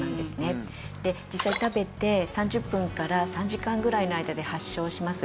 で実際食べて３０分から３時間ぐらいの間で発症します。